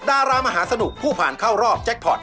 ดารามหาสนุกผู้ผ่านเข้ารอบแจ็คพอร์ต